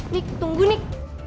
nik tunggu nik